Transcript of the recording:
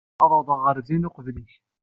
Ad awḍeɣ ɣer din uqbel-ik.